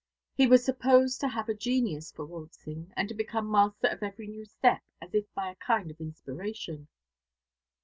He was supposed to have a genius for waltzing, and to become master of every new step as if by a kind of inspiration.